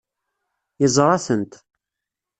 Yeẓra-tent.